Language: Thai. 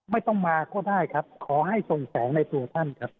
ไม่ต้องมาก็ได้ครับขอให้ส่งแสงในตัวท่านครับ